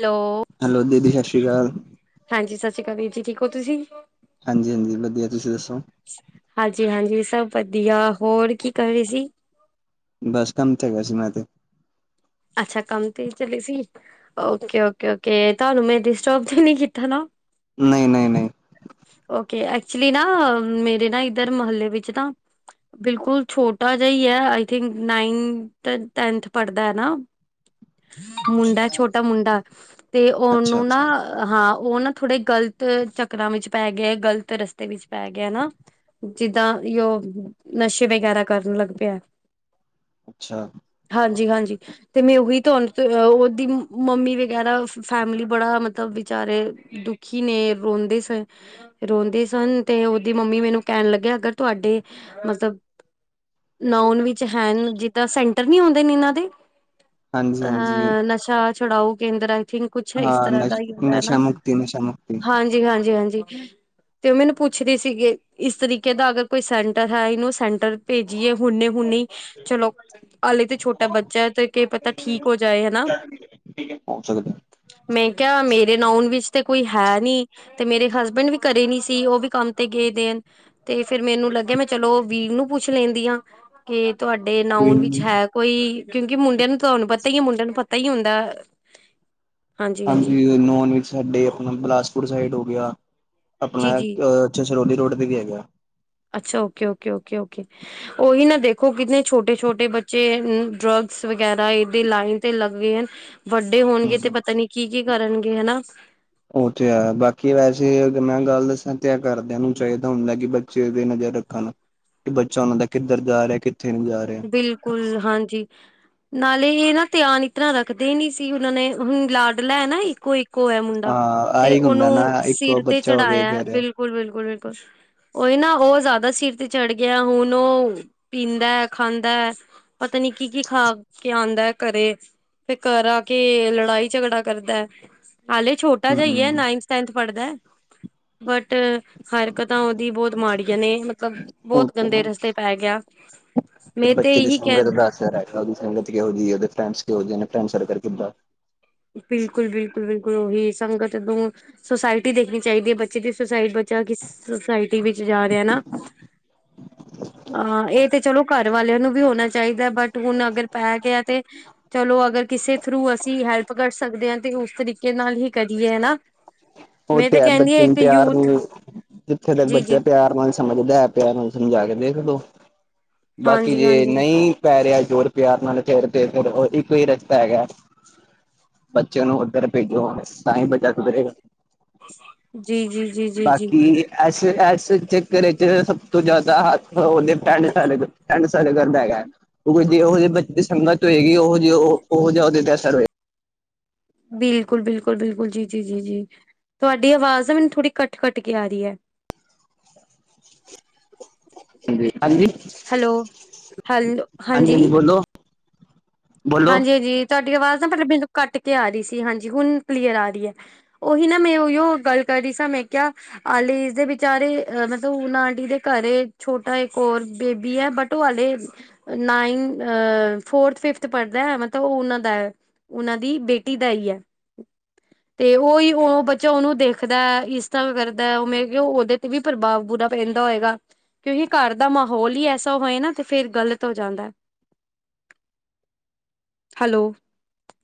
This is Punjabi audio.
ਹੈਲੋ। ਹੈਲੋ ਦੀਦੀ ਸਤਿ ਸ਼੍ਰੀ ਅਕਾਲ। ਹਾਂਜੀ ਸਤਿ ਸ਼੍ਰੀ ਅਕਾਲ। ਵੀਰ ਜੀ ਠੀਕ ਹੋ ਤੁਸੀਂ। ਹਾਂਜੀ-ਹਾਂਜੀ ਵਧੀਆ ਤੁਸੀਂ ਦੱਸੋ। ਹਾਂਜੀ-ਹਾਂਜੀ। ਸਭ ਵਧੀਆ ਹੋਰ ਕੀ ਕਰ ਰਹੇ ਸੀ। ਬਸ ਕੰਮ 'ਤੇ ਸੀਗਾ ਮੈਂ 'ਤੇ। ਅੱਛਾ ਕੰਮ ਤੇ ਚਲੇ ਸੀ। ਓਕੇ-ਓਕੇ-ਓਕੇ, ਤੁਹਾਨੂੰ ਮੈਂ ਡਿਸਟਰਬ ਤੇ ਨੀ ਕੀਤਾ ਨਾ। ਨਹੀਂ ਨਹੀਂ ਨਹੀਂ। ਓਕੇ ਐਕਚੁਲੀ ਨਾ ਮੇਰੇ ਨਾ ਇੱਧਰ ਮੋਹਲੇ ਵਿੱਚ ਨਾ ਬਿਲਕੁਲ ਛੋਟਾ ਜਾ ਹੀ ਹੈ ਆਈ ਥਿੰਕ ਨਾਈਨਥ ਟੈਥ ਪੜ੍ਹਦਾ ਹੈ ਨਾ। ਮੁੰਡਾ ਛੋਟਾ ਮੁੰਡਾ ਤੇ ਅੱਛਾ ਉਹਨੂੰ ਨਾ ਅੱਛਾ ਹਾਂ ਉਹ ਨਾ ਥੋੜੇ ਗ਼ਲਤ ਚੱਕਰਾਂ ਵਿੱਚ ਪੈ ਗਿਐ, ਗਲਤ ਰਸਤੇ ਵਿੱਚ ਪੈ ਗਿਆ ਨਾ। ਜਿੱਦਾਂ ਉਹ ਨਸ਼ੇ ਵਗੈਰਾ ਕਰਨ ਲੱਗ ਪਿਆ। ਅੱਛਾ। ਹਾਂਜੀ ਹਾਂਜੀ ਸ। ਤੇ ਮੈਂ ਉਹੀ ਤੁ ਉਹਦੀ ਮੰਮੀ ਵਗੈਰਾ ਫੈਮਲੀ ਬੜਾ ਮਤਲਬ ਬਾਰੇ ਦੁਖੀ ਨੇ ਰੋਂਦੇ ਸਨ ਅ। ਰੋਂਦੇ ਸਨ ਤੇ ਉਹਦੀ ਮੰਮੀ ਮੈਨੂੰ ਕਹਿਣ ਲੱਗਿਆ ਅਗਰ ਤੁਹਾਡੇ ਮਤਲਬ। ਨੋਨ ਵਿੱਚ ਹੈ। ਜਿਸ ਤਰ੍ਹਾਂ ਸੈਂਟਰ ਨੀ ਆਉਂਦੇ ਨੇ ਇਹਨਾਂ ਦੇ ਹਾਂਜੀ ਹਾਂਜੀ ਅ ਨਸ਼ਾ ਛੜਾਓ ਕੇਂਦਰ ਆਈ ਥਿੰਕ ਕੁਛ ਇਸ ਹਾਂ ਤਰ੍ਹਾਂ ਦਾ ਨਸ਼ ਹੀ ਹੁੰਦਾ ਹ ਨਸ਼ਾ ਨਾ ਮੁਕਤੀ ਨਸ਼ਾ ਮੁਕਤੀ ਹਾਂਜੀ-ਹਾਂਜੀ-ਹਾਂਜੀ। ਤੇ ਉਹ ਮੈਨੂੰ ਪੁੱਛਦੀ ਸੀਗੇ ਇਸ ਤਰੀਕੇ ਦਾ ਅਗਰ ਕੋਈ ਸੈਂਟਰ ਹੈ ਇਹਨੂੰ ਸੈਂਟਰ। ਭੇਜੀਏ ਹੁਣੇੇ-ਹੁਣੀ ਚਲੋ ਹਾਲੇ ਤੇ ਛੋਟਾ ਬੱਚਾ ਹੈ ਤੇ। ਕਿ ਪਤਾ ਠੀਕ ਹੋ ਜਾਏ ਹਨਾ। ਹੋ ਸਕਦਾ ਮੈਂ ਕਿਹਾ ਮੇਰੇ ਨਾਊਨ ਵਿੱਚ ਤੇ ਕੋਈ ਹੈ ਨਹੀਂ। ਤੇ ਮੇਰੇ ਹਸਬੈਂਡ ਵੀ ਘਰੇ ਨੀ ਸੀ। ਉਹ ਵੀ ਕੰਮ ਤੇ ਗਏ ਦੇ ਤੇ ਫਿਰ ਮੈਨੂੰ ਲੱਗਿਆ ਮੈਂ ਚਲੋ ਵੀਰ ਨੂੰ ਪੁੱਛ ਲੈਂਦੀ ਆ। ਕੇ ਤੁਹਾਡੇ ਕੋਈ ਨਊਨ ਵਿੱਚ ਨੀ ਹੈ ਕੋਈ ਕਿਉਂਕਿ ਮੁੰਡਿਆਂ ਨੂੰ ਤੁਹਾਨੂੰ ਪਤਾ ਹੀ ਹੈ ਮੁੰਡਿਆਂ ਨੂੰ ਪਤਾ ਹੀ ਹੁੰਦਾ ਆ। ਹਾਂਜੀ ਨੋਨ ਵੇਜ ਸਾਡੇ ਆਪਣਾ ਬਿਲਾਸਪੁਰ ਸਾਈਡ ਹੋ ਗਿਆ ਆਪਣਾ ਜੀ ਆ। ਜੀ ਅੱਛਾ, ਸਰੋਲੀ ਰੋਡ ਤੇ ਵੀ ਹੈਗਾ। ਅੱਛਾ। ਓਕੇ-ਓਕੇ-ਓਕੇ-ਓਕੇ ਆ। ਉਹੀ ਨਾ ਦੇਖੋ ਕਿੰਨੇ ਛੋਟੇ-ਛੋਟੇ ਬੱਚੇ ਡਰੱਗਸ ਵਗੈਰਾ ਇਹਦੇ ਲਾਈਨ ਤੇ ਲੱਗ ਗਏ ਹਨ। ਵੱਡੇ ਹੋਣਗੇ ਤੇ ਹੂੰ ਪਤਾ ਨੀ ਕੀ-ਕੀ ਕਰਨਗੇ ਹਨਾ ਤੇ। ਉਹ ਤੇ ਹੈ। ਬਾਕੀ ਵੈਸੇ ਅਗਰ ਮੈਂ ਗੱਲ ਦੱਸਾਂ ਤੇ ਘਰਦਿਆਂ ਨੂੰ ਚਾਹੀਦਾ ਹੁੰਦਾ ਕਿ ਬੱਚੇ ਤੇ ਨਜ਼ਰ ਲਾ, ਕਿ ਬੱਚਾ ਉਹਨਾਂ ਦਾ ਕਿੱਧਰ ਜਾ ਰਿਹਾ ਕਿੱਥੇ ਨੀ ਜਾ ਰਿਹਾ। ਬਿਲਕੁਲ ਹਾਂਜੀ। ਨਾਲੇ ਇਹ ਨਾ ਧਿਆਨ ਇਸ ਤਰ੍ਹਾਂ ਰੱਖਦੇ ਹੀ ਨੀ ਸੀ। ਉਹਨਾਂ ਨੇ ਹੁਣ ਲਾਡਲਾ ਐ ਨਾ ਇੱਕੋ-ਇੱਕ ਇੱਕੋ ਐ ਮੁੰਡਾ ਹਾਂ ਤੇ ਆਹੀ ਹੁੰਦਾ ਉਹਨੂੰ ਨਾ ਇੱਕੋ ਸਿਰ ਤੇ ਬੱਚਾ ਹੋਵੇ ਚੜਾਇਆ, ਫੇਰ ਬਿਲਕੁਲ ਬਿਲਕੁਲ-ਬਿਲਕੁਲ-ਬਿਲਕੁਲ ਉਹੀ ਨਾ ਉਹ ਜ਼ਿਆਦਾ ਸਿਰ ਤੇ ਚੜ ਗਿਆ ਹੁਣ ਉਹ ਪੀਂਦਾ ਹ। ਖਾਂਦਾ ਹੈ ਪਤਾ ਨੀ ਕੀ-ਕੀ ਖਾ ਕੇ ਆਉਂਦਾ ਹੈ ਘਰੇ। ਫਿਰ ਘਰ ਆ ਕੇ ਲੜਾਈ ਝਗੜਾ ਕਰਦਾ ਹੈ। ਹਾਲੇ ਛੋਟਾ ਜਾ ਹੀ ਹੈ ਹੂੰ ਨਾਈਨਥ ਟੈੈਂਥ ਪੜ੍ਹਦਾ ਹਾ ਬਟ। ਹਰਕਤਾਂ ਉਹਦੀ ਬਹੁਤ ਮਾੜੀਆਂ ਨੇ ਮਤਲਬ ਉਹ ਬਹੁਤ ਤੇ ਗੰਦੇ ਰਸਤੇ ਪੈ ਗਿਆ। ਮੈਂ ਤੇ ਬੱਚੇ ਦੀ ਇਹੀ ਕਹਿ [unintelligible] ਕਿ ਓਦੀ ਸੰਗਤ ਕਿਹੋ-ਜਿਹੀ ਹੈ, ਓਦੇ ਫਰੈਂਡਸ ਕਿਹੋ ਜੇ ਨੇ। ਫਰੈਂਡਸਡ ਸਰਕਲ ਕਿੱਦਾਂ ਬਿਲਕੁਲ ਬਿਲਕੁਲ ਬਿਲਕੁਲ ਉਹੀ ਸੰਗਤ ਦੋ ਸੋਸਾਇਟੀ ਦੇਖਣੀ ਚਾਹੀਦੀ ਹੈ ਬੱਚੇ ਦੀ ਸੋਸਾਇਟੀ ਜਾਂ ਕਿਸ ਸੁੋਸਾਇਟੀ ਵਿਚ ਜਾ ਰਿਹਾ ਨਾ। ਹਾਂ। ਇਹ ਤੇ ਚਲੋ ਘਰ ਵਾਲਿਆਂ ਨੂੰ ਵੀ ਹੋਣਾ ਚਾਹੀਦਾ, ਬਟ ਹੁਣ ਅਗਰ ਪੈ ਗਿਆ ਤੇ ਚਲੋ ਅਗਰ ਕਿਸੇ ਥਰੂ ਅਸੀਂ ਹੈਲਪ ਪਕੜ ਸਕਦੇ ਹਾਂ ਤੇ ਉਸ ਤਰੀਕੇ ਨਾਲ ਹੀ ਕਰੀਏ ਹਨਾ ਉਹ ਮੈਂ ਤੇ ਹੈ ਕਹਿੰਦੀ ਹਾਂ ਬੱਚੇ ਨੂੰ ਇੱਕ ਪਿਆਰ ਯੂਥ ਨੂੰ ਜਿੱਥੇ ਤੱਕ ਜੀ ਬੱਚੇ ਜੀ ਪਿਆਰ ਨਾਲ ਸ। ਸਮਝਦਾ ਪਿਆ ਹੁਣ ਸਮਝਾ ਕੇ ਦੇਖਲੋ ਬਾਕੀ ਹਾਂਜੀ ਜੇ ਹਾਂਜੀ ਨਹੀਂ। ਪੈ ਰਿਹਾ ਜੋੜ ਪਿਆਰ ਨਾਲ ਤੇ ਫਿਰ ਉਹ ਇੱਕੋ ਹੀ ਰਸਤਾ ਹੈਗਾ ਬੱਚਿਆਂ ਨੂੰ ਉੱਧਰ ਭੇਜੋ ਤਾਂ ਹੀ ਬੱਚਾ ਸੁਧਰੇਗਾ। ਜੀ ਜੀ। ਜੀ ਜੀ ਜੀ ਬਾਕੀ ਐਸ-ਐਸ ਚੱਕਰ 'ਚ ਸਭ ਤੋਂ ਜ਼ਿਆਦਾ ਹ ਹੋਦੇ ਪ੍ਰਾਣੇ ਚਾਲੇ ਗੱ। ਐਡ ਕਰਦਾ ਹੈਗਾ ਕਿਉਂਕਿ ਜੇ ਉਹੋ ਜਿਹੇ ਬੱਚੇ ਦੀ ਸੰਗਤ ਹੋਏਗੀ ਉਹ ਜਿਹੇ ਉਹ ਜਿਹਾ ਉਹਦੇ ਤੇ ਅਸਰ ਹੋਏਗਾ। ਬਿਲਕੁਲ-ਬਿਲਕੁਲ-ਬਿਲਕੁਲ ਜੀ-ਜੀ-ਜੀ-ਜੀ ਤੁਹਾਡੀ ਆਵਾਜ਼ ਆ ਮੈਨੂੰ ਥੋੜੀ ਕੱਟ-ਕੱਟ ਕੇ ਆ ਰਹੀ ਐ ਹਜੀ। ਹਾਂਜੀ-ਹਾਂਜੀ-ਹਾਂਜੀ ਹੈਲੋ ਹੈਲੋ ਹਾਂਜੀ ਬੋਲੋ। ਬੋਲੋ ਹਾਂਜੀ-ਹਾਂਜੀ ਤੁਹਾਡੀ ਆਵਾਜ਼ ਨਾ ਪਹਿਲਾਂ ਮਨੂੰ ਕੱਟ ਕੇ ਆ ਰਹੀ ਸੀ ਹਾਂਜੀ ਹੁਣ ਕਲੀਅਰ ਆ ਰਹੀ ਹੈ। ਉਹੀ ਨਾ ਮੈਂ ਉਹੀਓ ਗੱਲ ਕਰ ਰਹੀ ਸਾਂ ਮੈਂ ਕਿਆ ਆਲੀਜ ਦੇ ਵਿਚਾਰੇ ਮਤਲਬ ਉਹ ਆਂਟੀ ਦੇ ਘਰੇ ਛੋਟਾ ਇੱਕ ਹੋਰ ਬੇਬੀ ਏ ਬਟ ਟੋ ਹਾਲੇ, ਨਾਈਨ ਅ ਫੋਰਥ-ਫਿਫਥ ਥ ਪੜ੍ਹਦਾ ਹੈ ਮਤਲਬ ਉਹ ਉਹਨਾਂ ਦਾ, ਉਹਨਾਂ ਦੀ ਬੇਟੀ ਦਾ ਈ ਐ। [inaudible] ਤੇ ਉਹੀ ਉਹ ਬੱਚਾ ਉਹਨੂੰ ਦੇਖਦਾ ਇਸ ਤਰ੍ਹਾਂ ਕਰਦਾ ਉਹ ਮੈਂ ਕਿਹਾ ਉਹਦੇ 'ਤੇ ਵੀ ਪ੍ਰਭਾਵ ਬੁਰਾ ਪੈਂਦਾ ਹੋਏਗਾ। ਕਿਉਂਕਿ ਘਰ ਦਾ ਮਾਹੌਲ ਹੀ ਐਸਾ ਹੋਏ ਨਾ ਤੇ ਫੇਰ ਗ਼ਲਤ ਹੋ ਜਾਂਦਾ। ਹੈਲੋ।